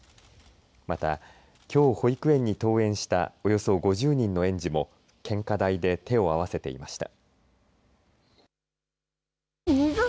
また、きょう保育園に登園したおよそ５０人の園児も献花台で手を合わせていました。